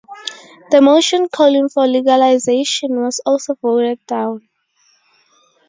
The motion calling for legalization was also voted down.